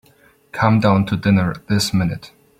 Come down to dinner this minute.